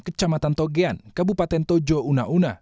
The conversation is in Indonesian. kecamatan togean kabupaten tojo unauna